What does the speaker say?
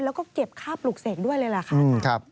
แล้วก็เก็บค่าปลูกเสกด้วยเลยล่ะครับ